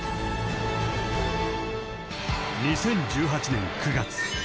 ［２０１８年９月］